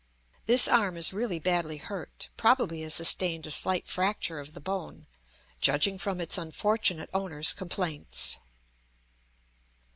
This arm is really badly hurt, probably has sustained a slight fracture of the bone, judging from its unfortunate owner's complaints.